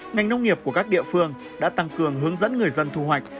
ngành nông nghiệp của các địa phương đã tăng cường hướng dẫn người dân thu hoạch